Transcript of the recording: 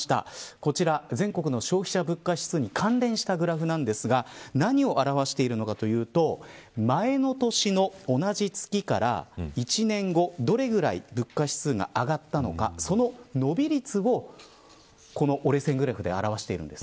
こちら全国の消費者物価指数に関連したグラフなんですが何を表しているのかというと前の年の同じ月から１年後、どれぐらい物価指数が上がったのかその伸び率をこの折れ線グラフで表しているんです。